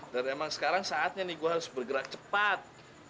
dan emang sekarang saatnya nih gua harus bergerak cepat